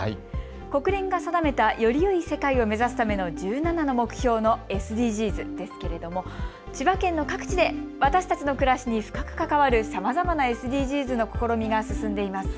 国連が定めた、よりよい世界を目指すための１７の目標のＳＤＧｓですけれども千葉県の各地で私たちの暮らしに深く関わるさまざまなＳＤＧｓの試みが進んでいます。